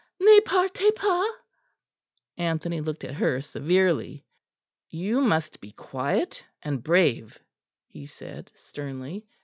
Ne partez pas!" Anthony looked at her severely. "You must be quiet and brave," he said sternly.